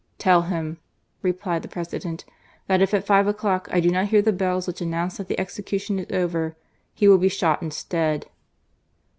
"Tell him," replied the President, "that if at five o'clock, I do not hear the bells which announce that the execution is over, he will be shot instead."